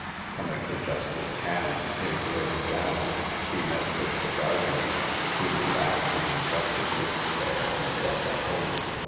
Coming to Justice Cann's, near Derham Downs, he met with the gardener, whom he asked if the justice lived there, and was at home?